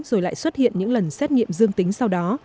rồi lại xuất hiện những lần xét nghiệm dương tính sau đó